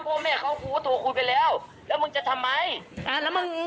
พ่อแม่เขากูก็โทรคุยไปแล้วแล้วมึงจะทำไมอ่าแล้วมึง